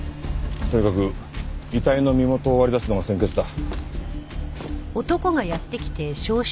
とにかく遺体の身元を割り出すのが先決だ。